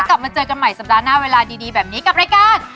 กลับมาเจอกันใหม่สัปดาห์หน้าเวลาดีแบบนี้กับรายการ